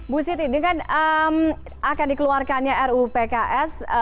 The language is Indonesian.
bu siti dengan akan dikeluarkannya ru pks